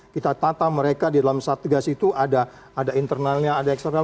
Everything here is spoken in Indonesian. kita tata mereka di dalam satgas itu ada internalnya ada eksternal